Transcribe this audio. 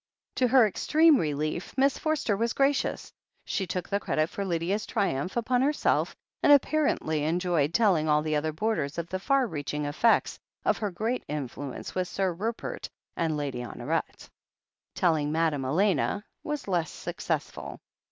To her extreme relief. Miss Forster was gracious. She took the credit for Lydia's triumph upon herself and apparently enjoyed telling all the other boarders of the far reaching effects of her great influence with Sir Rupert and Lady Honoret 252 THE HEEL OF ACHILLES Telling Madame Elena was less successful.